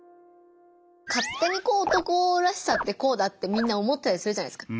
勝手にこう男らしさってこうだってみんな思ったりするじゃないですか。